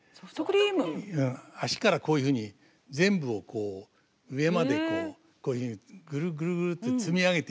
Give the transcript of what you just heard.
足からこういうふうに全部をこう上までこういうふうにぐるぐるぐるって積み上げていく。